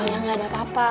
iya gak ada apa apa